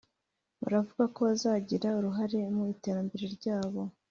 baravuga ko buzagira uruhare mu iterambere ryabo